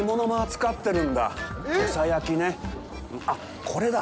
あっ、これだ！